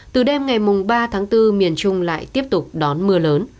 từ đêm ngày ba tháng bốn miền trung lại tiếp tục đón mưa lớn